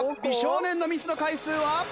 美少年のミスの回数は？